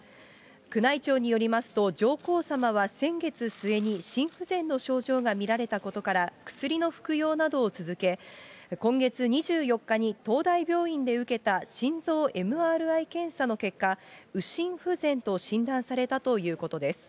宮内庁によりますと、上皇さまは先月末に心不全の症状が見られたことから、薬の服用などを続け、今月２４日に東大病院で受けた心臓ＭＲＩ検査の結果、右心不全と診断されたということです。